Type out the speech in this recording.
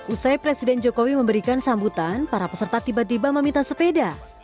usai presiden jokowi memberikan sambutan para peserta tiba tiba meminta sepeda